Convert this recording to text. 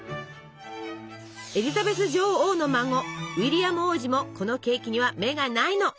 エリザベス女王の孫ウィリアム王子もこのケーキには目がないの！